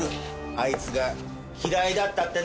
「あいつが嫌いだった」ってね。